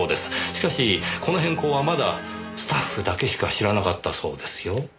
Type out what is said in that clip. しかしこの変更はまだスタッフだけしか知らなかったそうですよ。